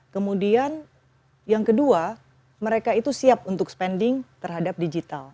kemudian yang kedua mereka itu siap untuk spending terhadap digital